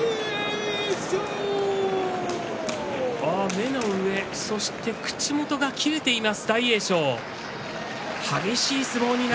目の上そして口元が切れています